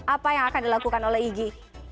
apa yang akan dilakukan oleh igi